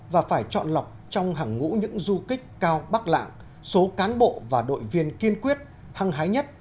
và phải chọn lọc trong hàng ngũ những du kích cao bắc lạng số cán bộ và đội viên kiên quyết hăng hái nhất